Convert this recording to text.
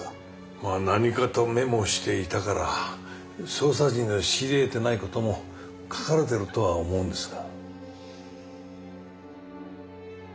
まあ何かとメモしていたから捜査陣の知り得てないことも書かれてるとは思うんですが。